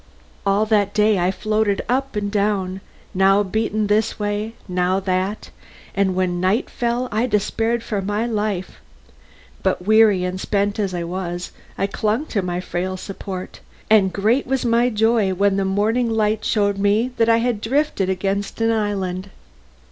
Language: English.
All that day I floated up and down, now beaten this way, now that, and when night fell I despaired for my life; but, weary and spent as I was, I clung to my frail support, and great was my joy when the morning light showed me that I had drifted against an island.